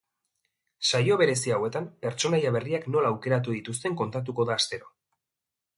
Saio berezi hauetan pertsonaia berriak nola aukeratu dituzten kontatuko da astero.